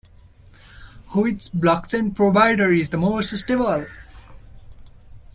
Which blockchain provider is the most stable?